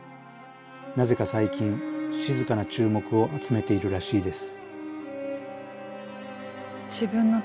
なぜか最近静かな注目を集めているらしいです